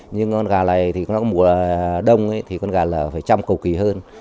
nhưng con gà này mùa đông thì con gà lở phải chăm cầu kỳ hơn